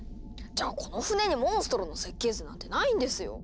じゃあこの船にモンストロの設計図なんてないんですよ。